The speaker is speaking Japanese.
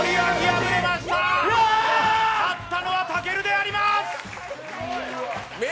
勝ったのはたけるであります！